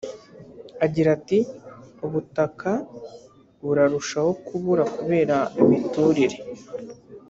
Agira ati “Ubutaka burarushaho kubura kubera imiturire